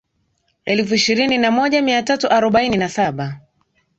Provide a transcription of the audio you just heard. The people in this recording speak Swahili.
elfu ishirini na moja mia tatu arobaini na saba